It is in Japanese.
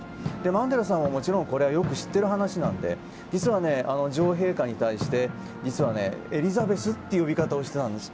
マンデラさんはもちろんこれはよく知っている話なので女王陛下に対してエリザベスという呼び方をしていたんです。